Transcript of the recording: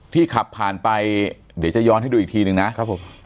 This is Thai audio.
ขับผ่านไปเดี๋ยวจะย้อนให้ดูอีกทีหนึ่งนะครับผม